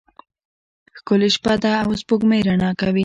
ښکلی شپه ده او سپوږمۍ رڼا کوي.